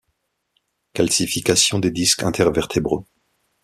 Calcifications des disques intervertébraux.